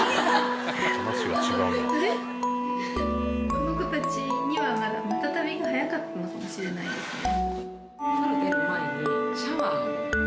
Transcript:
この子たちにはまだマタタビが早かったのかもしれないですね。